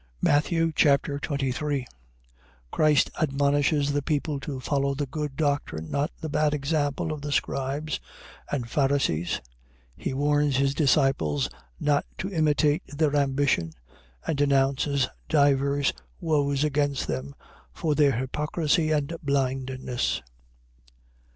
Matthew Chapter 23 Christ admonishes the people to follow the good doctrine, not the bad example of the scribes and Pharisees. He warns his disciples not to imitate their ambition and denounces divers woes against them for their hypocrisy and blindness.